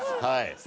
はい。